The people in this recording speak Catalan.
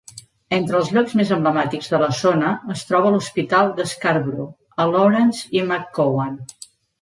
Entre els llocs més emblemàtics de la zona es troba l'hospital de Scarborough a Lawrence i McCowan.